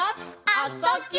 「あ・そ・ぎゅ」